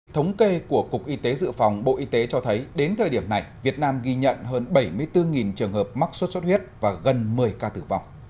thống kê của cục y tế dự phòng bộ y tế cho thấy đến thời điểm này việt nam ghi nhận hơn bảy mươi bốn trường hợp mắc sốt xuất huyết và gần một mươi ca tử vong